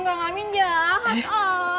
kang amin jahat